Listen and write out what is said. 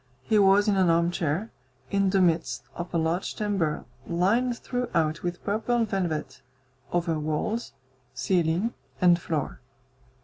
He was in an armchair, in the midst of a large chamber lined throughout with purple velvet, over walls, ceiling, and floor.